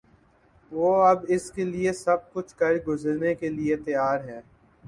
وہ اب اس کے لیے سب کچھ کر گزرنے کے لیے تیار ہیں۔